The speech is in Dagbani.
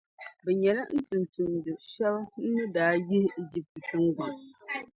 Bɛ nyɛla n tumtumdi’ shɛba n ni daa yihi Ijipti tiŋgbɔŋ.